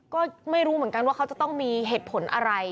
ก็ไม่รู้เหมือนกันว่าเขาจะต้องมีเหตุผลอะไร